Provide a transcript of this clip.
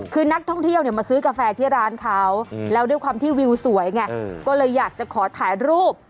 คือนักท่องเที่ยวเนี่ยมาซื้อกาแฟที่ร้านเขาแล้วด้วยความที่วิวสวยไงก็เลยอยากจะขอถ่ายรูป